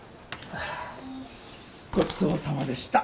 ごちそうさまでした。